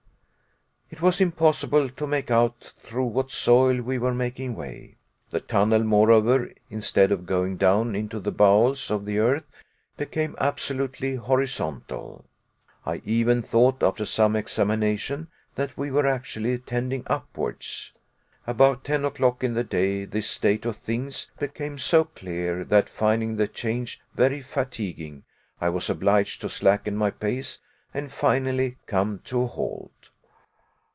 It was impossible to make out through what soil we were making way. The tunnel, moreover, instead of going down into the bowels of the earth, became absolutely horizontal. I even thought, after some examination, that we were actually tending upwards. About ten o'clock in the day this state of things became so clear that, finding the change very fatiguing, I was obliged to slacken my pace and finally come to a halt.